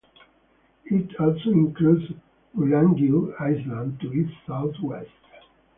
It also includes Gulangyu Island to its southwest.